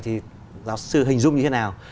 thì giáo sư hình dung như thế nào